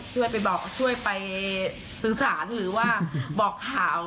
ช่วยไปบอกช่วยไปสื่อสารหรือว่าบอกข่าว